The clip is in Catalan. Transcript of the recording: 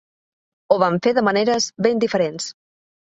Ho van fer de maneres ben diferents.